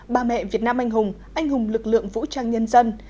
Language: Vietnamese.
bà mẹ việt nam anh hùng anh hùng lực lượng vũ trang nhân dân